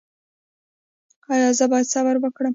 ایا زه باید صبر وکړم؟